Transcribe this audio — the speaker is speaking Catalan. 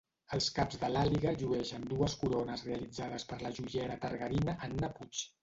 Els caps de l'Àliga llueixen dues corones realitzades per la joiera targarina Anna Puig.